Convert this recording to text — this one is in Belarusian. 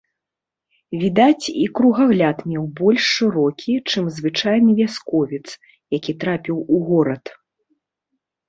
Відаць, і кругагляд меў больш шырокі, чым звычайны вясковец, які трапіў у горад.